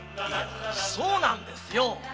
そうなんですよ。